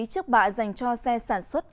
trước bạ dành cho xe sản xuất